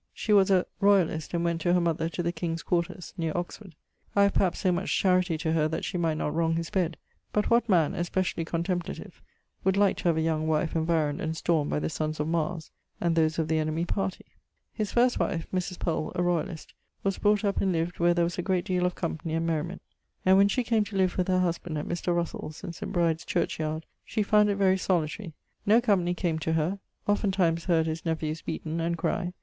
She was a ... royalist, and went to her mother to the king's quarters, neer Oxford. I have perhaps so much charity to her that she might not wrong his bed: but what man, especially contemplative, would like to have a young wife environ'd and storm'd by the sons of Mars, and those of the enemi partie? His first wife (Mrs. Powell, a royalist) was brought up and lived where there was a great deale of company and merriment. And when she came to live with her husband, at Mr. Russell's, in St. Bride's churchyard, she found it very solitary; no company came to her; oftentimes heard his nephews beaten and cry.